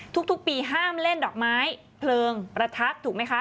ทุกปีห้ามเล่นดอกไม้เพลิงประทับถูกไหมคะ